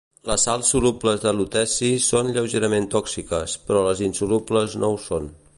Les sals solubles de luteci són lleugerament tòxiques, però les insolubles no ho són.